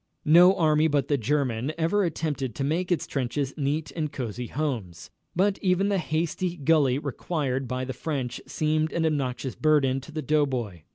No army but the German ever attempted to make its trenches neat and cosey homes, but even the hasty gully required by the French seemed an obnoxious burden to the doughboy.